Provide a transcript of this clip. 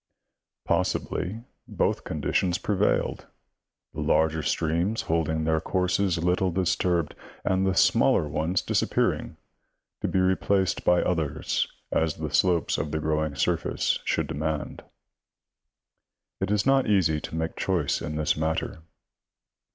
Possi bly both conditions prevailed ; the larger streams holding their courses little disturbed, and the smaller ones disappearing, to be replaced by others as the slopes of the growing surface should demand. It is not easy to make choice in this matter.